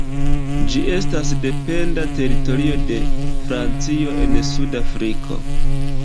Ĝi estas dependa teritorio de Francio en Sud-Afriko.